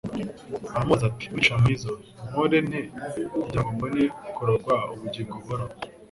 aramubaza ati: " Mwigisha mwiza, nkore nte kugira ngo mbone kuragwa ubugingo buhoraho'?"